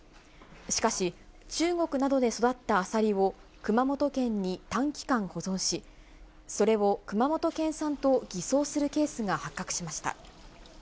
しかし、中国などで育ったアサリを、熊本県に短期間保存し、それを熊本県産と偽装するケースが発覚しました。